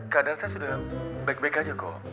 keadaan saya sudah baik baik aja kok